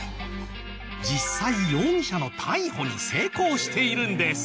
実際容疑者の逮捕に成功しているんです。